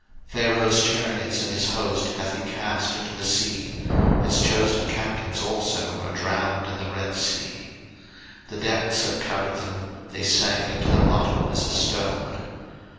02:015:004 Pharaoh's chariots and his host hath he cast into the sea: his chosen captains also are drowned in the Red sea. 02:015:005 The depths have covered them: they sank into the bottom as a stone.